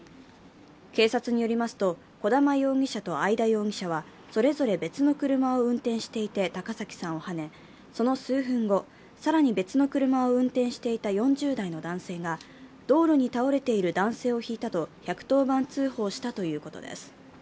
警察によりますと、小玉容疑者と会田容疑者はそれぞれ別の車を運転していて高崎さんをはね、その数分後、更に別の車を運転していた４０代の男性が道路に倒れている男性をひいたと１１０番通報したということです。